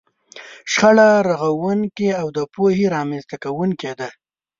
شخړه رغونکې او د پوهې رامنځته کوونکې ده.